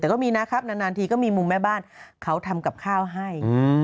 แต่ก็มีนะครับนานทีก็มีมุมแม่บ้านเขาทำกับข้าวให้